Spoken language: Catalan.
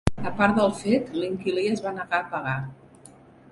A part del fet, l'inquilí es va negar a pagar.